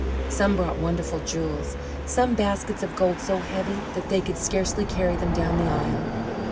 Some brought wonderful jewels, some baskets of gold so heavy that they could scarcely carry them down the aisle.